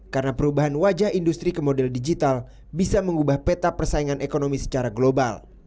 karena perubahan wajah industri ke model digital bisa mengubah peta persaingan ekonomi secara global